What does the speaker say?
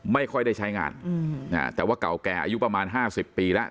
ไม่ค่อยได้ใช้งานอืมอ่าแต่ว่าเก่าแก่อายุประมาณห้าสิบปีแล้ว